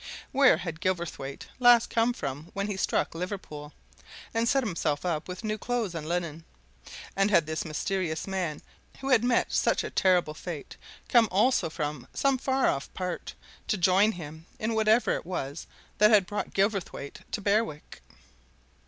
Where had Gilverthwaite last come from when he struck Liverpool, and set himself up with new clothes and linen? And had this mysterious man who had met such a terrible fate come also from some far off part, to join him in whatever it was that had brought Gilverthwaite to Berwick?